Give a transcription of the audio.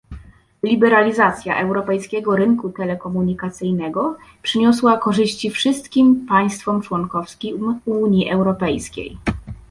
Liberalizacja europejskiego rynku telekomunikacyjnego przyniosła korzyści wszystkim państwom członkowskim Unii Europejskiej